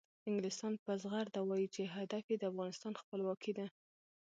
انګلستان په زغرده وایي چې هدف یې د افغانستان خپلواکي ده.